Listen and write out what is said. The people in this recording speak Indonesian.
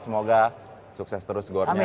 semoga sukses terus gorznya